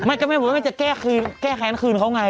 ไม่ก็ไม่เหลือแต่จะแก้แค้นคืนเขาไง